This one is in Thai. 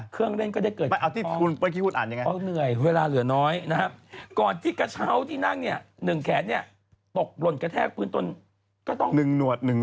เครื่องเดินเวลาเหลือน้อยก่อนที่ถาดกระเช้าตั้งนั้นไอนึงแขนต้องตกลนเนี่ยลองต้น